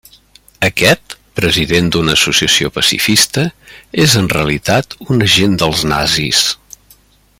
Aquest, president d'una associació pacifista, és en realitat un agent dels nazis.